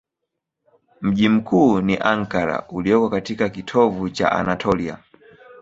Mji mkuu ni Ankara ulioko katika kitovu cha Anatolia.